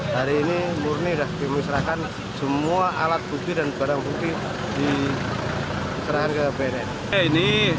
hari ini murni sudah dimusrahkan semua alat bukti dan barang bukti diserahkan ke bnn